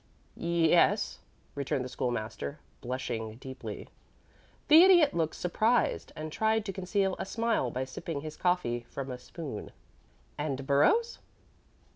"Y yes," returned the School master, blushing deeply. The Idiot looked surprised, and tried to conceal a smile by sipping his coffee from a spoon. "And Burrows?"